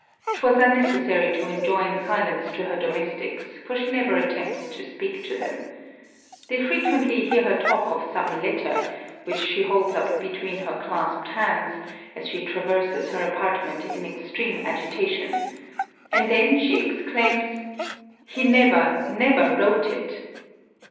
'Twas unnecessary to enjoin silence to her domestics, for she never attempts to speak to them. They frequently hear her talk of some letter which she holds up between her clasped hands, as she traverses her apartment in extreme agitation; and then she exclaims _He never never wrote it!